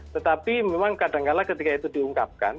tetapi memang kadangkala ketika itu diungkapkan